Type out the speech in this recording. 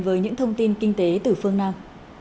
với những thông tin kinh tế từ phương nam